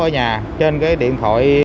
ở nhà trên cái điện thoại